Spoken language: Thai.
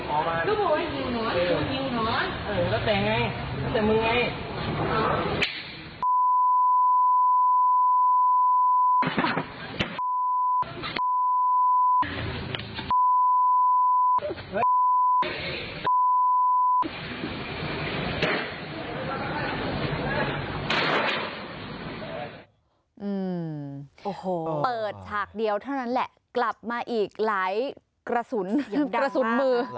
โอ้โหเปิดฉากเดียวเท่านั้นแหละกลับมาอีกหลายกระสุนกระสุนมือ